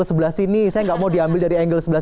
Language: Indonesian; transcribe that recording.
sebelah sini saya nggak mau diambil dari angle sebelah